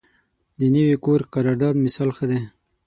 د نوي کور قرارداد مثال ښه دی.